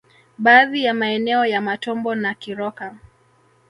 Baadhi ya maeneo ya Matombo na Kiroka